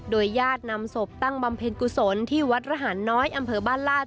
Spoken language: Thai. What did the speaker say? ญาตินำศพตั้งบำเพ็ญกุศลที่วัดระหารน้อยอำเภอบ้านลาด